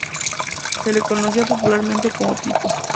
Se le conocía popularmente como Pippo.